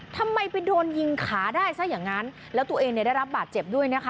ทำไมไปโดนยิงขาได้ซะอย่างนั้นแล้วตัวเองเนี่ยได้รับบาดเจ็บด้วยนะคะ